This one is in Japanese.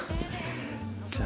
じゃあ。